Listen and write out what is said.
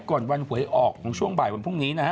วันหวยออกของช่วงบ่ายวันพรุ่งนี้นะฮะ